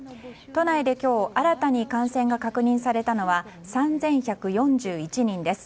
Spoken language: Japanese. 都内で今日、新たに感染が確認されたのは３１４１人です。